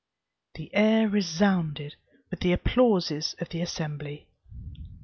The air resounded with the applauses of the assembly.